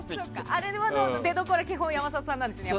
あれは出どころ基本、山里さんなんですね。